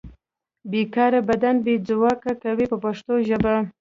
بې کاري بدن بې ځواکه کوي په پښتو ژبه.